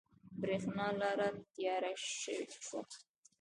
برېښنا لاړه تیاره شوه